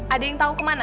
ada yang tau kemana